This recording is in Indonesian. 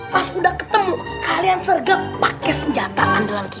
pati kita selamat datang